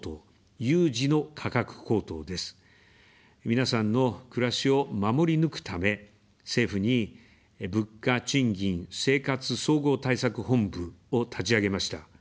皆さんの暮らしを守り抜くため、政府に「物価・賃金・生活総合対策本部」を立ち上げました。